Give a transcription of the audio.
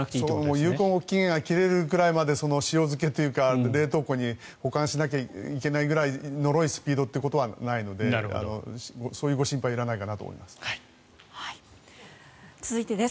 有効期限が切れるくらいまで冷凍庫に保管しなきゃいけないくらいのろいスピードということはないのでそういうご心配はいらないかなと思います。